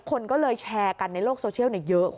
คนก็เลยแชร์กันในโลกโซเชียลเยอะ